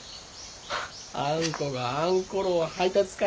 ハハッあんこがあんころを配達か。